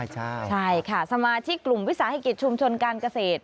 ใช่ค่ะสมาชิกกลุ่มวิสาหกิจชุมชนการเกษตร